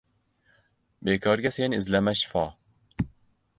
Bekorga sen izlama shifo!